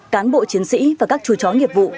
cán bộ chiến sĩ và các chú chó nghiệp vụ